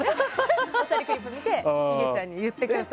「おしゃれクリップ」見ていげちゃんに言ってください。